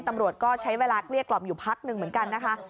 ตำรวจก็ใช้เวลาเกลี้ยกล่อมอยู่พักหนึ่งเหมือนกันนะคะ